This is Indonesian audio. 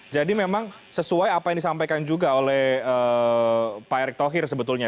jadi memang sesuai apa yang disampaikan juga oleh pak erick thohir sebetulnya